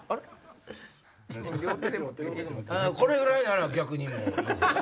これぐらいなら逆にもういいんです。